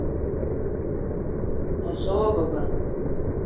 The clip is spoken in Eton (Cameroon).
Me so wa beba